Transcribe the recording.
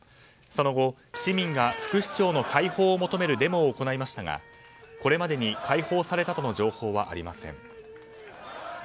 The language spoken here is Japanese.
その後、市民が副市長の解放を求めるデモを行いましたがこれまでに解放されたとの情報はありません。